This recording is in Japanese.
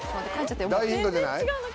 大ヒントじゃない？